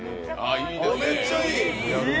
めっちゃいい。